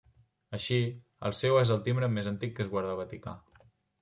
Així, el seu és el timbre més antic que es guarda al Vaticà.